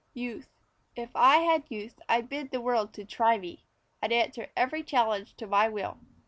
YOUTH If I had youth I'd bid the world to try me; I'd answer every challenge to my will.